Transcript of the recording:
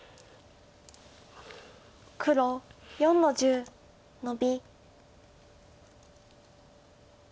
黒４の十ノビ。